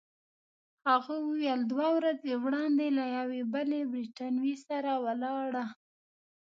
هغه وویل: دوه ورځې وړاندي له یوې بلې بریتانوۍ سره ولاړه.